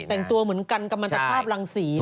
แต่งตัวเหมือนกันกับมาตรภาพรังศรีเลย